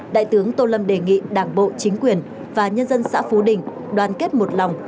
đại tướng tô lâm đề nghị đảng bộ chính quyền và nhân dân xã phú đình đoàn kết một lòng